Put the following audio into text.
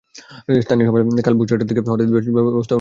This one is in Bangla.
স্থানীয় সময় কাল ভোর চারটার দিকে হঠাৎই বেশ ব্যথা অনুভব করেন মুস্তাফিজ।